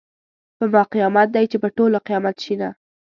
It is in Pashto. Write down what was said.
په ما قیامت ده چې په ټولو قیامت شینه .